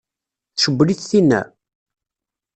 Tcewwel-it tinna?